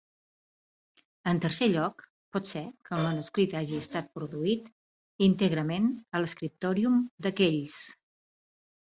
En tercer lloc, pot ser que el manuscrit hagi estat produït íntegrament a l'"scriptorium" de Kells.